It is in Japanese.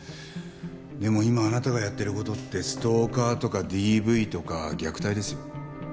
でも今あなたがやってる事ってストーカーとかＤＶとか虐待ですよ。